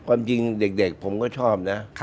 ความจริงเด็กผมก็ชอบนะ